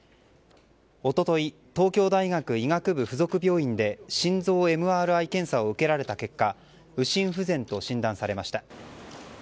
一昨日東京大学医学部附属病院で心臓ＭＲＩ検査を受けられた結果右心不全と診断されました。